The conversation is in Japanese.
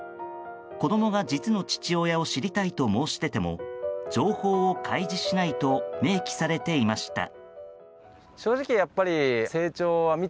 子供が実の父親を知りたいと申し出ても情報を開示しないと明記されていました。